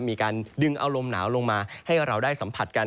มีการดึงเอาลมหนาวลงมาให้เราได้สัมผัสกัน